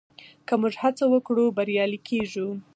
که موږ هڅه وکړو بریالي کېږو.